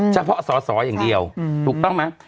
เฉพาะสอสออย่างเดียวถูกต้องไหม